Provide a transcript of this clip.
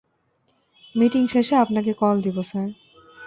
Meeting শেষে আপনাকে call দিব, স্যার।